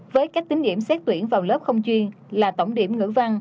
với các tín điểm xét tuyển vào lớp không chuyên là tổng điểm ngữ văn